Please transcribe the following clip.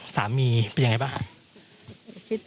สามีเป็นยังไงบ้างครับ